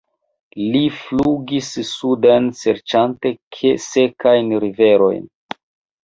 Li flugis suden serĉante sekajn riverojn.